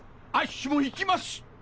あっしも行きます。